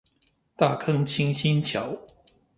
大坑清新橋